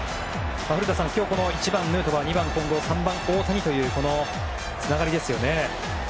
古田さん、今日１番、ヌートバー、２番、近藤３番、大谷というこのつながりですよね。